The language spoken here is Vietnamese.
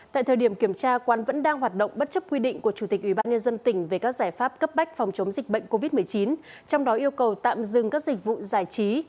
tại thời điểm kiểm tra quán vẫn đang hoạt động bất chấp quy định của chủ tịch ubnd tỉnh về các giải pháp cấp bách phòng chống dịch bệnh covid một mươi chín trong đó yêu cầu tạm dừng các dịch vụ giải trí